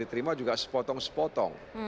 diterima juga sepotong sepotong